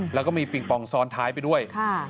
แล้วก็มีปิงปองซ้อนท้ายไปด้วย